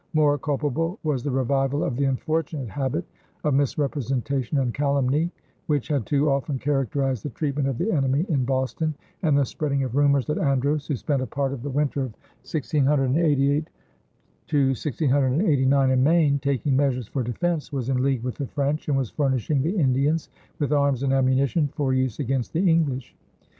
More culpable was the revival of the unfortunate habit of misrepresentation and calumny which had too often characterized the treatment of the enemy in Boston, and the spreading of rumors that Andros, who spent a part of the winter of 1688 1689 in Maine taking measures for defense, was in league with the French and was furnishing the Indians with arms and ammunition for use against the English.